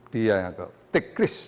dia yang take risk